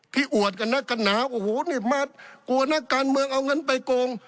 อวดกับนักกันหนาโอ้โหนี่มากลัวนักการเมืองเอาเงินไปโกง